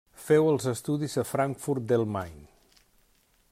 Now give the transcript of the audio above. Feu els estudis a Frankfurt del Main.